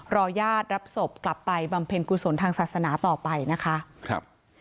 ญาติรับศพกลับไปบำเพ็ญกุศลทางศาสนาต่อไปนะคะครับ